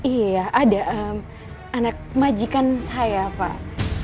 iya ada anak majikan saya pak